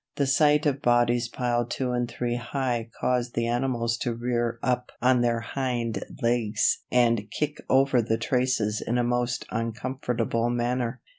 The sight of bodies piled two and three high caused the animals to rear up on their hind legs and kick over the traces in a most uncomfortable manner.